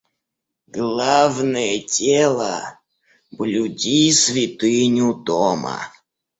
Главное дело — блюди святыню дома.